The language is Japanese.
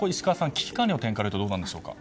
危機管理の点から言うとどうなんでしょうか。